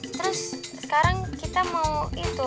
terus sekarang kita mau itu